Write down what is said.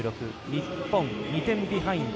日本が２点ビハインド。